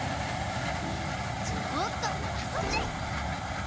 ちょっとあそんじゃえ！